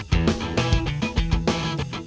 kena kesatoran tuh